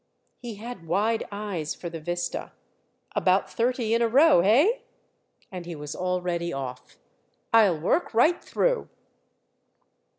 He had wide eyes for the vista. "About thirty in a row, hey?" And he was already off. "I'll work right through!"